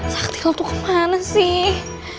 sakti lo tuh kemana sih